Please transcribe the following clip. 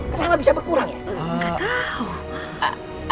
kenapa bisa berkurang ya